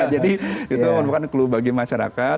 jadi itu bukan clue bagi masyarakat